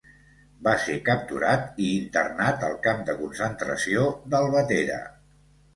Va ser capturat i internat al camp de concentració d'Albatera.